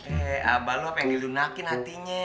eh abah lo apa yang dilunakin hatinya